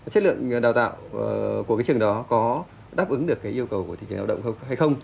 chất lượng đào tạo của cái trường đó có đáp ứng được cái yêu cầu của thị trường đào tạo hay không